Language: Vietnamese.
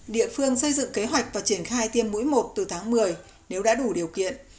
địa phương xây dựng kế hoạch và triển khai tiêm mũi một từ tháng một mươi nếu đã đủ điều kiện